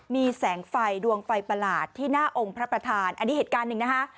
มีแสงไฟดวงไฟประหลาดที่หน้าองค์พระประธานอันนี้เหตุการณ์หนึ่งนะคะ